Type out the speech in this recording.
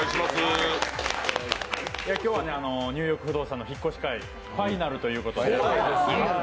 今日は「ニューヨーク不動産」の引っ越し、ファイナルということで。